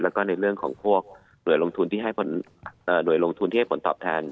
แล้วก็ในเรื่องของพวกหน่วยลงทุนที่ให้ผลตอบแทน